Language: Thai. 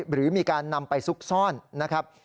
หรือมีการนำไปซุกซ่อนนะครับ